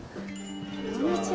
こんにちは。